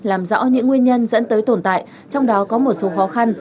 làm rõ những nguyên nhân dẫn tới tồn tại trong đó có một số khó khăn